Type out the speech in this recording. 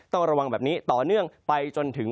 ต้องระวังแบบนี้ต่อเนื่องไปจนถึง